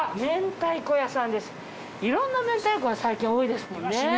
いろんな明太子が最近多いですもんね。